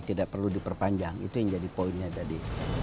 tidak perlu diperpanjang itu yang jadi poinnya tadi